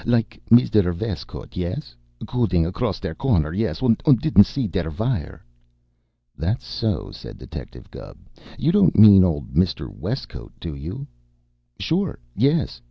"Like Misder Vestcote, yes? Cudding across der corner, yes, und didn't see der vire?" "That so?" said Detective Gubb. "You don't mean old Mr. Westcote, do you?" "Sure, yes!"